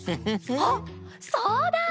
あっそうだ！